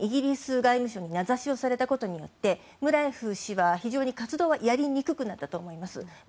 このようにイギリス外務省に名指しをされたことによってムラエフ氏は非常に活動はしにくくなったと思います。